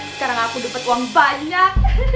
sekarang aku dapat uang banyak